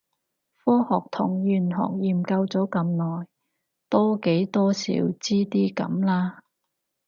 科學同玄學研究咗咁耐，多幾多少知啲咁啦